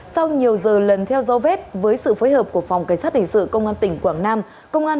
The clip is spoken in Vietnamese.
sau nhiều giờ lần theo dấu vết với sự phối hợp của phòng cảnh sát hình sự công an tỉnh quảng nam công an